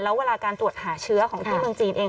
แล้วเวลาการตรวจหาเชื้อของที่เมืองจีนเอง